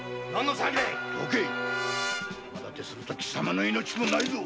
邪魔立てすると貴様の命もないぞ！